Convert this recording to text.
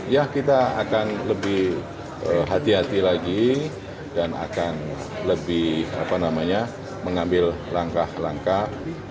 ya kita akan lebih hati hati lagi dan akan lebih mengambil langkah langkah